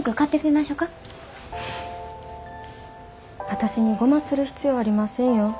私にゴマする必要ありませんよ。